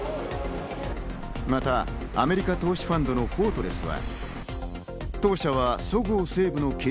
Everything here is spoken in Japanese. またアメリカ投資ファンドのフォートレスは。